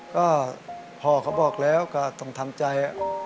ก็พ่อเขาบอกแล้วก็ต้องทำใจ